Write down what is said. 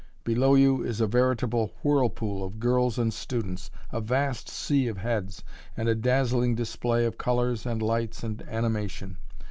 Below you is a veritable whirlpool of girls and students a vast sea of heads, and a dazzling display of colors and lights and animation.